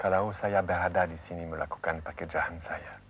kalau saya berada di sini melakukan pekerjaan saya